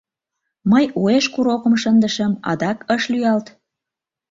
Мый уэш курокым шындышым, адак ыш лӱялт.